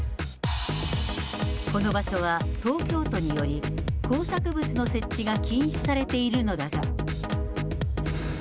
この場所は東京都により、工作物の設置が禁止されているのだが。